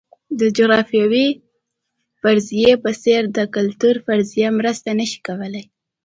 د جغرافیوي فرضیې په څېر د کلتور فرضیه مرسته نه شي کولای.